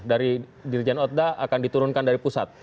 dari dirijen oda akan diturunkan dari pusat